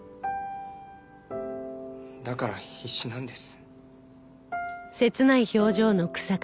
だから必死なんです。